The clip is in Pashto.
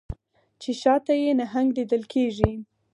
چې شا ته یې نهنګ لیدل کیږي